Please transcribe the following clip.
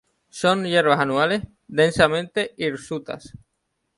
Son hierbas anuales, densamente hirsutas.